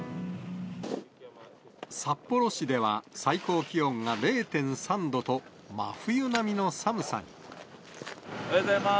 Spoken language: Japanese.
札幌市では、最高気温が０．３度おはようございます。